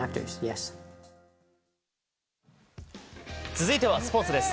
続いてはスポーツです。